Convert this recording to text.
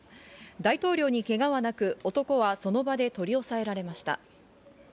大統領にけがはなく男はその場で取り押さえられました。